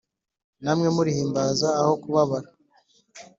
Namwe murihimbaza, aho kubabara